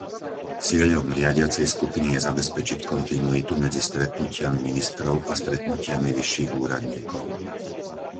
Cieľom riadiacej skupiny je zabezpečiť kontinuitu medzi stretnutiami ministrov a stretnutiami vyšších úradníkov.